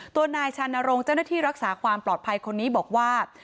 ตัวนายชานรงค์เจ้าหน้าที่รักษาความปลอดภัยคนนี้บอกว่า